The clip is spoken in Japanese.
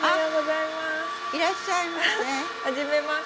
いらっしゃいませ。